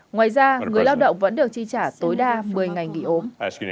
ngoài ra người lao động vẫn được chi trả tối đa một mươi ngày nghỉ ốm